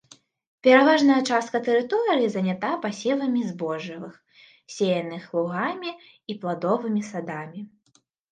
Пераважная частка тэрыторыі занята пасевамі збожжавых, сеяных лугамі і пладовымі садамі.